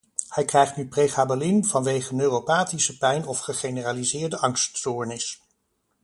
Hij krijgt nu pregabalin vanwege neuropathische pijn of gegeneraliseerde angststoornis.